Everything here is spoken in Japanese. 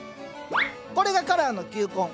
これがカラーの球根。